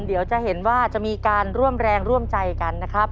เดี๋ยวจะเห็นว่าจะมีการร่วมแรงร่วมใจกันนะครับ